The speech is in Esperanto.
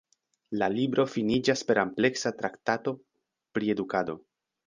La libro finiĝas per ampleksa traktato pri edukado.